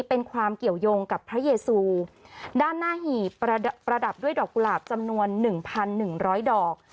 เป็นความเกี่ยวยงกับพระเยซูด้านหน้าหีบประดับด้วยดอกกุหลาบจำนวน๑๑๐๐ดอก